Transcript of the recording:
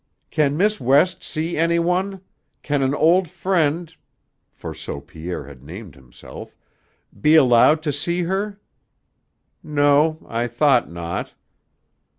"Can Miss West see any one? Can an old friend" for so Pierre had named himself "be allowed to see her? No. I thought not."